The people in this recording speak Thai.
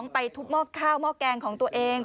ไปทุกข้าวหม้อกแกงของตัวเอง